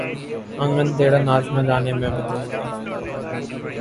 انگن ٹیڑھا ناچ نہ جانے میں بدل گیا